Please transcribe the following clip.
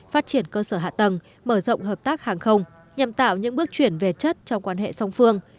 phát triển cơ sở hạ tầng mở rộng hợp tác hàng không nhằm tạo những bước chuyển về chất trong quan hệ song phương